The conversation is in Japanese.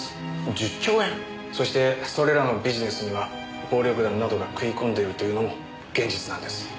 そしてそれらのビジネスには暴力団などが食い込んでるというのも現実なんです。